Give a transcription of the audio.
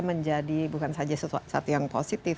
menjadi bukan saja sesuatu yang positif